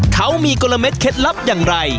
เขามีกลมเด็ดเคล็ดลับอย่างไร